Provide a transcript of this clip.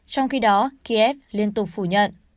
trong khi đó kiev liên tục phủ nhận